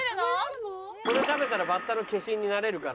それ食べたらバッタの化身になれるから。